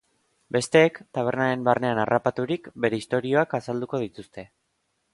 Besteek, tabernaren barnean harrapaturik, bere istorioak azalduko dituzte.